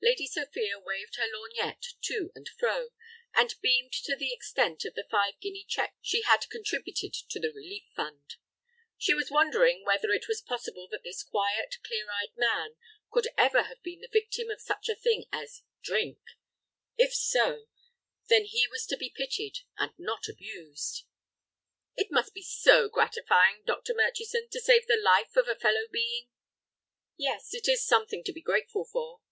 Lady Sophia waved her lorgnette to and fro, and beamed to the extent of the five guinea check she had contributed to the relief fund. She was wondering whether it was possible that this quiet, clear eyed man could ever have been the victim of such a thing as drink. If so—then he was to be pitied, and not abused. "It must be so gratifying, Dr. Murchison, to save the life of a fellow being." "Yes, it is something to be grateful for."